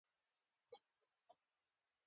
مجاهد د خدای بندګي کوي.